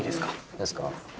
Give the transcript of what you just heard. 何ですか？